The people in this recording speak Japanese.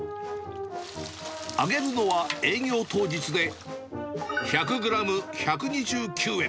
揚げるのは営業当日で、１００グラム１２９円。